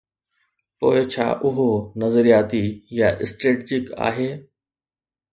پوء ڇا اهو نظرياتي يا اسٽريٽجڪ آهي؟